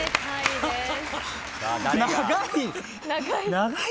長い。